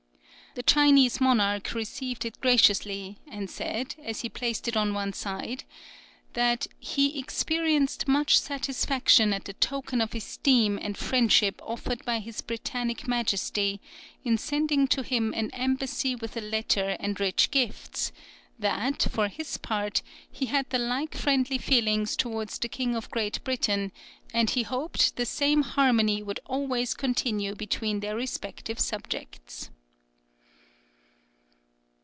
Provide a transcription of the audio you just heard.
The Chinese monarch received it graciously, and said, as he placed it on one side, "that he experienced much satisfaction at the token of esteem and friendship offered by his Britannic Majesty in sending to him an embassy with a letter and rich gifts; that, for his part, he had the like friendly feelings towards the King of Great Britain, and he hoped the same harmony would always continue between their respective subjects."